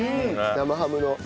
生ハムの。